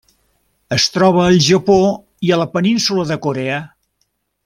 Es troba al Japó i a la Península de Corea.